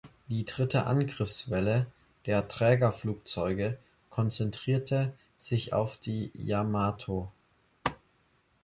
Die dritte Angriffswelle der Trägerflugzeuge konzentrierte sich auf die "Yamato".